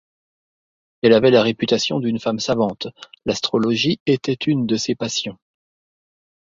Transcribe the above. Elle avait la réputation d'une femme savante, l'astrologie était une de ses passions.